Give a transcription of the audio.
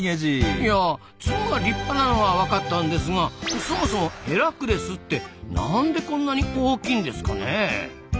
いや角が立派なのは分かったんですがそもそもヘラクレスってなんでこんなに大きいんですかねえ？